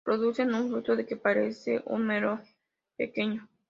Producen un fruto que parece un melón pequeño.